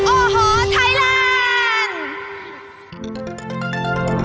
โอ้โหไทยแลนด์